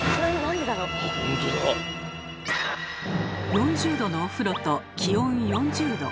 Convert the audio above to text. ４０℃のお風呂と気温４０℃。